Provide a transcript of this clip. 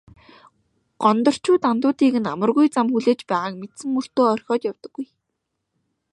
Гондорчууд андуудыг нь амаргүй зам хүлээж байгааг мэдсэн мөртөө орхиод явдаггүй.